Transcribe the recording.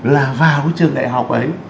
là vào trường đại học ấy